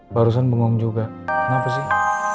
barusan bingung juga kenapa sih